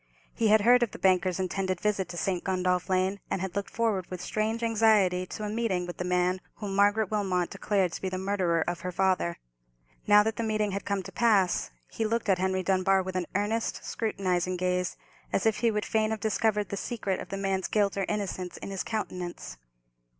He had heard of the banker's intended visit to St. Gundolph Lane, and had looked forward with strange anxiety to a meeting with the man whom Margaret Wilmot declared to be the murderer of her father. Now that the meeting had come to pass, he looked at Henry Dunbar with an earnest, scrutinizing gaze, as if he would fain have discovered the secret of the man's guilt or innocence in his countenance.